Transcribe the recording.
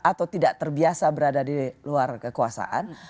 atau tidak terbiasa berada di luar kekuasaan